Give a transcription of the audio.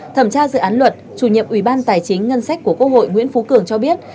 thẩm tra dự án luật chủ nhiệm ubth của quốc hội nguyễn phú cường cho biết